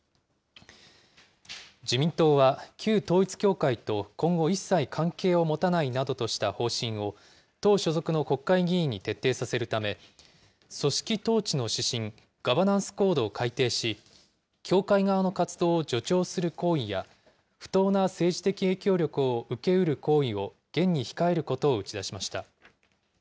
自民党は、旧統一教会と今後一切関係を持たないなどとした方針を、党所属の国会議員に徹底させるため、組織統治の指針、ガバナンス・コードを改定し、教会側の活動を助長する行為や、不当な政治的影響力を受けうる行為を厳に控えることを打ち出しました。